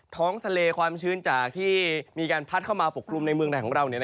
ท้องทะเลความชื้นจากที่มีการพัดเข้ามาปกคลุมในเมืองไทยของเรา